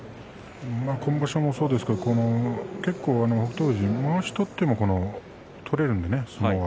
今場所もそうですがまわしを取っても取れるんでね。